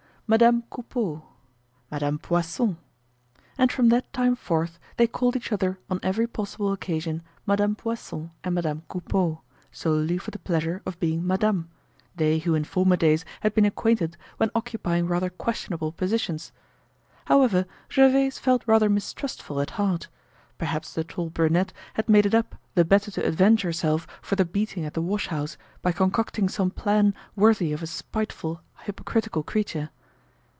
"Madame Coupeau." "Madame Poisson." And from that time forth, they called each other on every possible occasion Madame Poisson and Madame Coupeau, solely for the pleasure of being madame, they who in former days had been acquainted when occupying rather questionable positions. However, Gervaise felt rather mistrustful at heart. Perhaps the tall brunette had made it up the better to avenge herself for the beating at the wash house by concocting some plan worthy of a spiteful hypocritical creature.